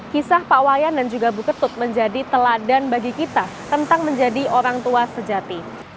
kisah pak wayan dan juga bu ketut menjadi teladan bagi kita tentang menjadi orang tua sejati